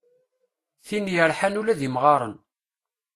Tin yerḥan ula d imɣaren.